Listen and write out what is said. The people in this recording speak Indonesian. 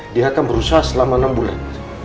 dia akan berusaha selama enam bulan